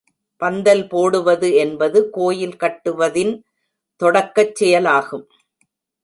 பந்தல் போடுவது என்பது, கோயில் கட்டுவதின் தொடக்கச் செயலாகும்.